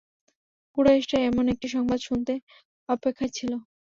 কুরাইশরা এমন একটি সংবাদ শুনতে অপেক্ষায় ছিল।